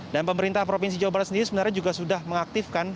dan pemerintah provinsi jawa barat sendiri sebenarnya juga sudah mengaktifkan